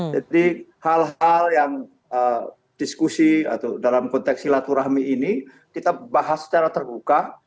jadi hal hal yang diskusi atau dalam konteks silaturahmi ini kita bahas secara terbuka